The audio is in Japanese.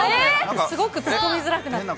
すごく突っ込みづらくなった。